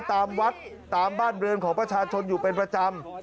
ตามวัดตามบ้านเรือนของประชาชนอยู่เป็นประจำ